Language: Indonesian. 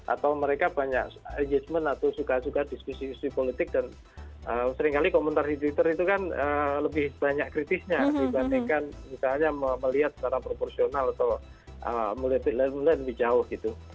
atau mereka banyak engagement atau suka suka diskusi diskusi politik dan seringkali komentar di twitter itu kan lebih banyak kritisnya dibandingkan misalnya melihat secara proporsional atau lebih jauh gitu